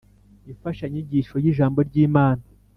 Imfashanyigisho y’Ijambo ry’Imana